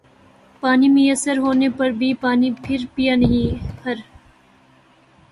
پانی میسر ہونے پر بھی پانی پھر پیا نہیں ہر